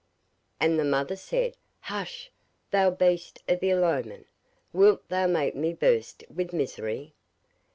And the mother said, 'Hush! thou beast of ill omen! wilt thou make me burst with misery?